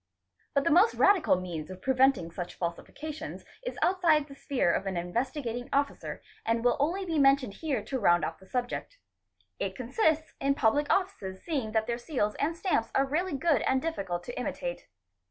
But the most radical means of preventing such falsifications is outside the sphere of an Investigating Officer and will only be mentioned here to round off the subject. It consists in public oflices seeing that their seals and stamps are really good and difficult to imitate.